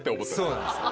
そうなんですよ。